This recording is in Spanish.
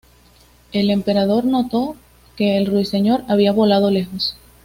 El emperador notó que el Ruiseñor había volado lejos.